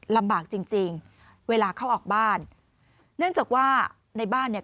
ลำบากจริงจริงเวลาเข้าออกบ้านเนื่องจากว่าในบ้านเนี่ย